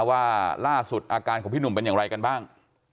ว่าล่าสุดอาการของพี่หนุ่มเป็นอย่างไรกันบ้าง